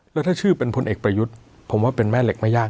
แล้วถ้าชื่อเป็นพลเอกประยุทธ์ผมว่าเป็นแม่เหล็กไม่ยาก